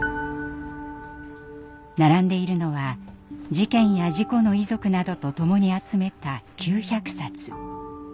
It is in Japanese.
並んでいるのは事件や事故の遺族などと共に集めた９００冊。